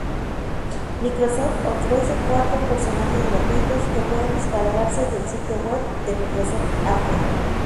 Microsoft ofrece cuatro personajes gratuitos, que pueden descargarse del sitio web de Microsoft Agent.